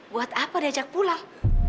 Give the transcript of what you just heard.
buat apa diajak pulang